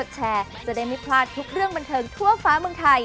ใช่แล้วค่ะ